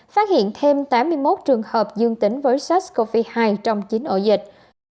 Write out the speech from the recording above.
phát hiện thêm tám mươi một trường hợp dương tính với sars cov hai trong chín ổ dịch